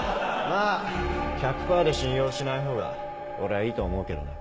・まぁ１００パーで信用しないほうが俺はいいと思うけどね。